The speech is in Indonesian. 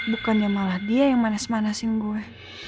bukannya malah dia yang manas manasin gue